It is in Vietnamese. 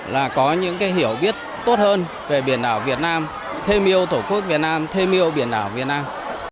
là có những hiểu biết tốt hơn về biển đảo việt nam thêm yêu tổ quốc việt nam thêm yêu biển đảo việt nam